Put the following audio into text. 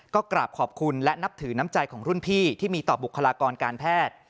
ก็กราบขอบคุณและนับถือน้ำใจของรุ่นพี่ที่มีต่อบุคลากรการแพทย์